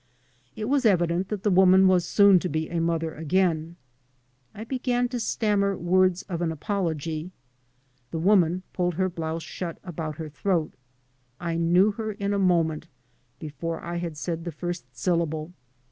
It was evident that the woman was soon to be a mother again. I began to stammer words of an apology. The woman pulled her blouse shut about her throat. I knew her in a moment, before I had said the first syllable.